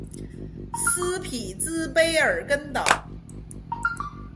斯匹兹卑尔根岛。